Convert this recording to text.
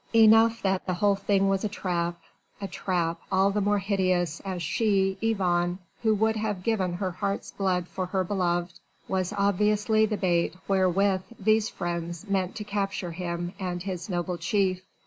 Enough that the whole thing was a trap, a trap all the more hideous as she, Yvonne, who would have given her heart's blood for her beloved, was obviously the bait wherewith these friends meant to capture him and his noble chief.